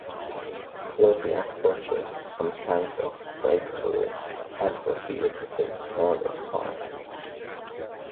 Whitlock purchased some cans of brake fluid and proceeded to fix Moroder's car.